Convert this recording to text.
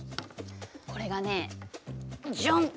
これがねジャン！